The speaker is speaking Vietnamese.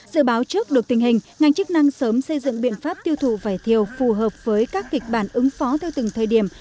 dự báo trước được tình hình ngành chức năng sớm xây dựng biện pháp tiêu thụ vải thiều phù hợp với các kịch bản ứng phó theo từng thời điểm